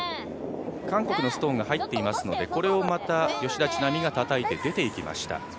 韓国のストーンが入っていますので、これをまた吉田知那美がたたいて、出ていきました。